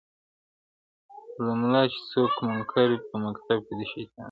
له مُلا چي څوک منکر دي په مکتب کي د شیطان دي.